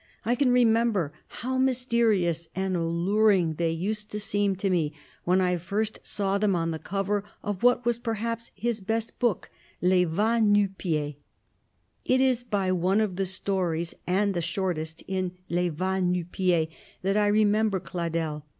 I can remember how mysterious and alluring they used to seem to me when I first saw them on the cover of what was perhaps his best book, Les Va Nu Pieds. It is by one of the stories, and the shortest, in Les Va Nu Pieds, that I remember Cladel.